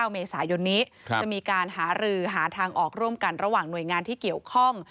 เมษายนนี้จะมีการหารือหาทางออกร่วมกันระหว่างหน่วยงานที่เกี่ยวข้อง